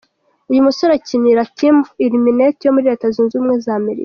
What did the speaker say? Uyu musore akinira Team Illuminate yo muri Leta Zunze Ubumwe za Amerika.